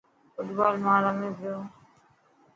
فوٽ بال مان رمي پيو.